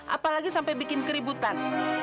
apalagi sampai bikin keributan